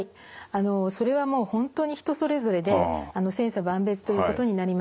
あのそれはもう本当に人それぞれで千差万別ということになります。